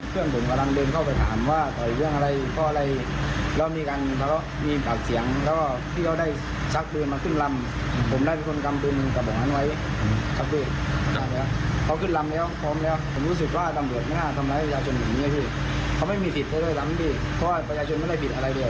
อ๋อเขินลำคุณคะเคยเคยมารวมเป็นคนครับ